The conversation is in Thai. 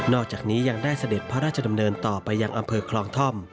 อกจากนี้ยังได้เสด็จพระราชดำเนินต่อไปยังอำเภอคลองท่อม